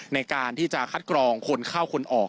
ในการที่จะคัดกรองคนเข้าคนออก